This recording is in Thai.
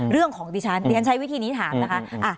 เรื่องของดิฉันดิฉันใช้วิธีนี้ถามนะคะ